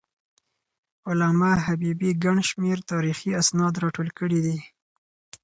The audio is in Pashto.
علامه حبيبي ګڼ شمېر تاریخي اسناد راټول کړي دي.